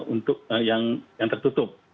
untuk yang tertutup